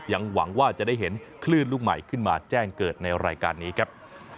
หวังว่าจะได้เห็นคลื่นลูกใหม่ขึ้นมาแจ้งเกิดในรายการนี้ครับ